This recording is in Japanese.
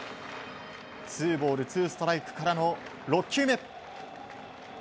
ツーボールツーストライクからの６球目。